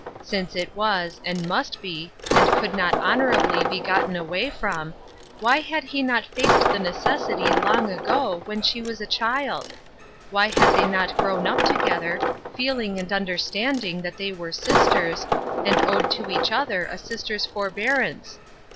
Since it was, and must be, and could not honor Her Cross Seems Heavy, 9 ably be gotten away from, why had he not faced the necessity long ago, when she was a child ? Why had they not grown up together, feeling and understanding that they were sisters, and owed to each other a sister's forbearance